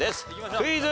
クイズ。